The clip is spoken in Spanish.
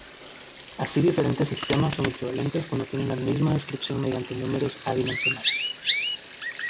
Así diferentes sistemas son equivalentes cuando tienen la misma descripción mediante números adimensionales.